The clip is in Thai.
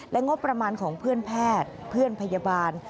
งบประมาณของเพื่อนแพทย์เพื่อนพยาบาล